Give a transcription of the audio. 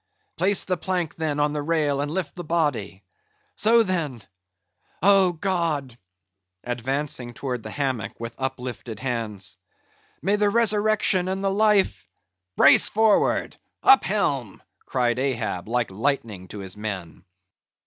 place the plank then on the rail, and lift the body; so, then—Oh! God"—advancing towards the hammock with uplifted hands—"may the resurrection and the life——" "Brace forward! Up helm!" cried Ahab like lightning to his men.